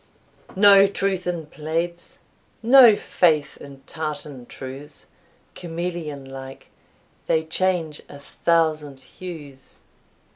No truth in plaids, no faith in tartan trews! Chameleon like, they change a thousand hues."